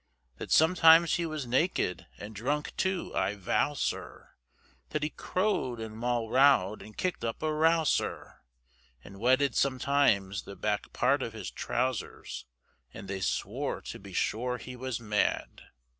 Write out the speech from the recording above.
That sometimes he was naked, & drunk too, I vow, sir, That he crowed & moll rowed, & kick'd up a row, sir, And wetted sometimes the back part of his trousers, And they swore to be sure he was mad.